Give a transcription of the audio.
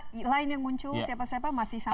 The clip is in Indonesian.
nah nama nama lain yang muncul siapa siapa masih sama